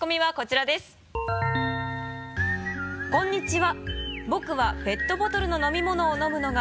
はいこんにちは。